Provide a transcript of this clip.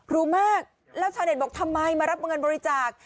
รู้มากแล้วชาวเน็ตบอกทำไมมารับเงินบริจาค